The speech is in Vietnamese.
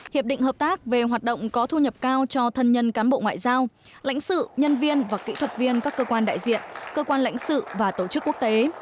hiệp định hợp tác về hoạt động có thu nhập cao cho thân nhân cán bộ ngoại giao lãnh sự nhân viên và kỹ thuật viên các cơ quan đại diện cơ quan lãnh sự và tổ chức quốc tế